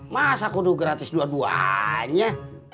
masa aku gratis dua duanya